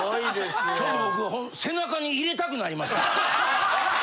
ちょっと僕背中にいれたくなりました。